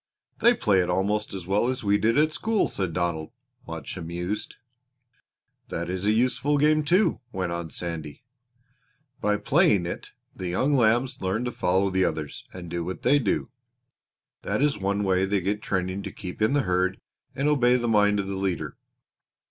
"They play it almost as well as we did at school," said Donald, much amused. "That is a useful game too," went on Sandy. "By playing it the young lambs learn to follow the others, and do what they do. That is one way they get training to keep in the herd and obey the mind of the leader.